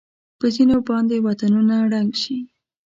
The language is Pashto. په ځېنو باندې وطنونه ړنګ شي.